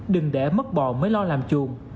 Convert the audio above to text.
đừng để mất bỏ mới lo làm chuồng